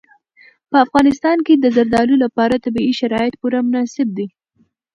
په افغانستان کې د زردالو لپاره طبیعي شرایط پوره مناسب دي.